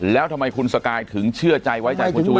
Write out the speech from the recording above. แล้วทำไมคุณสกายถึงเชื่อใจไว้ใจคุณชูวิ